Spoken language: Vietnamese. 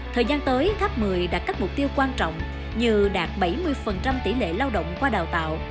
thời gian tới tháp một mươi đạt các mục tiêu quan trọng như đạt bảy mươi tỷ lệ lao động qua đào tạo